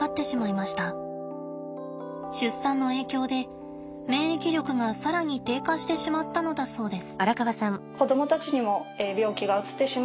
出産の影響で免疫力がさらに低下してしまったのだそうです。